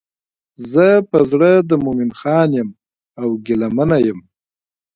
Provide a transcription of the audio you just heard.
زه په زړه د مومن خان یم او ګیله منه یم.